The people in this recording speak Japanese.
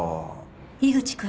井口君